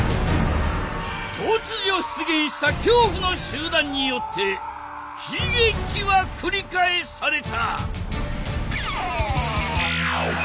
突如出現した恐怖の集団によって悲劇は繰り返された！